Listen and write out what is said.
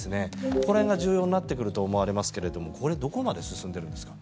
これが重要になってくると思われますがこれはどこまで進んでるんですか？